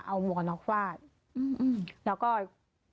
เอาหมวกนอกฟาด